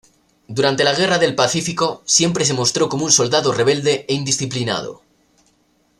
Durante la Guerra del Pacífico siempre se mostró como un soldado rebelde e indisciplinado.